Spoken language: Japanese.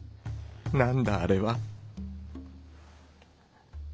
何だあれは。